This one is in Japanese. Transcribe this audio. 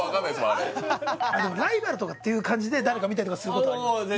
あれライバルとかっていう感じで誰か見たりすることはあります？